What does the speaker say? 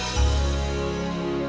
nyopet susah banget nyambilnya